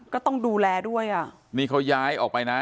ก็ต้องดูแลด้วยอ่ะนี่เขาย้ายออกไปนะ